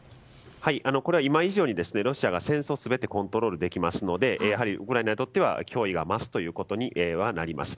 これは今以上にロシアが戦争を全てコントロールできますのでやはりウクライナにとっては脅威が増すことになります。